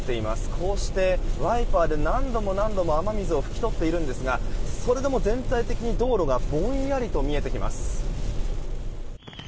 こうしてワイパーで何度も何度も雨水を拭き取っているんですがそれでも全体的に道路がぼんやりと見えてきます。